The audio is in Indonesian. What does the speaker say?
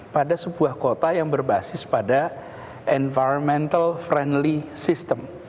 pada sebuah kota yang berbasis pada environmental friendly system